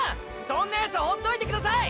そんなヤツ放っといてください！！